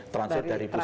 transfer dari pusat ini